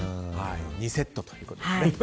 ２セットということですね。